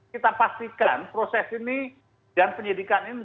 kita pastikan proses ini dan penyidikan ini